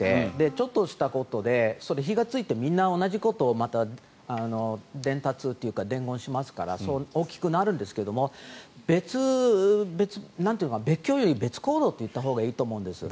ちょっとしたことで火がついてみんな同じことを伝達というか伝言しますから大きくなるんですけど別居より別行動と言ったほうがいいと思うんです。